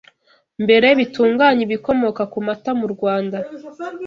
mbere bitunganya ibikomoka ku mata mu Rwanda